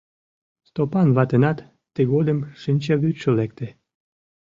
Стопан ватынат тыгодым шинчавӱдшӧ лекте.